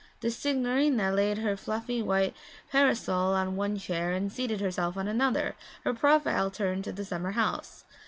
The signorina laid her fluffy white parasol on one chair and seated herself on another, her profile turned to the summer house.